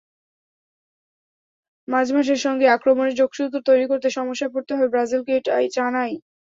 মাঝমাঠের সঙ্গে আক্রমণের যোগসূত্র তৈরি করতে সমস্যায় পড়তে হবে ব্রাজিলকে, এটা জানাই।